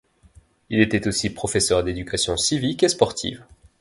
Il était aussi professeur d'éducation civique et sportive.